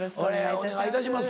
お願いいたします。